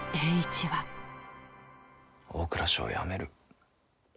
大蔵省を辞める。